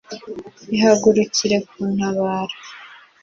ihagurukire kuntabara